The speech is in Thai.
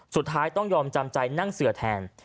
สุดท้ายต้องยอมจำใจนั่งเสือแทน